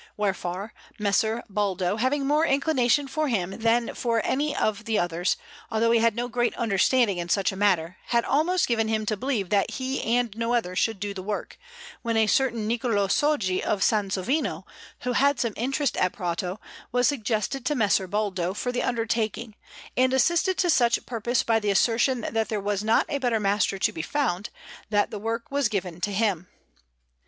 Wherefore Messer Baldo, having more inclination for him than for any of the others, although he had no great understanding in such a matter, had almost given him to believe that he and no other should do the work, when a certain Niccolò Soggi of Sansovino, who had some interest at Prato, was suggested to Messer Baldo for the undertaking, and assisted to such purpose by the assertion that there was not a better master to be found, that the work was given to him.